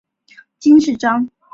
金饰章。